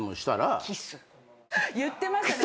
言ってましたね。